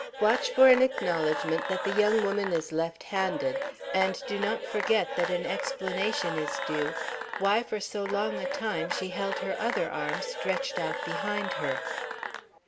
Watch for an acknowledgment that the young woman is left handed, and do not forget that an explanation is due why for so long a time she held her other arm stretched out behind her.